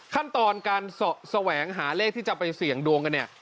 ขั้นตอนการแสวงหาเลขที่จะไปเสี่ยงดวงกันเนี่ย